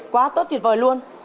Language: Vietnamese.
quá tốt tuyệt vời luôn